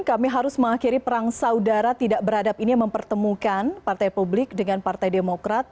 kami harus mengakhiri perang saudara tidak beradab ini yang mempertemukan partai publik dengan partai demokrat